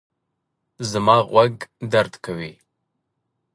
زما غوږ درد کوي